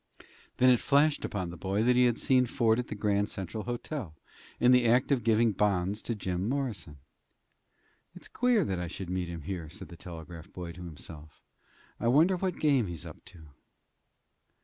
Then it flashed upon the boy that he had seen Ford at the Grand Central Hotel, in the act of giving bonds to Jim Morrison. "It's queer I should meet him here," said the telegraph boy to himself. "I wonder what game he's up to."